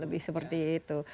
lebih seperti itu